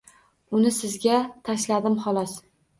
Uni sizga tashladim, xolos.